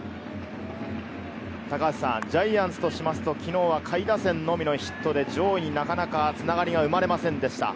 高橋さん、ジャイアンツとしますと昨日は下位打線のみのヒットで、上位になかなか繋がりが生まれませんでした。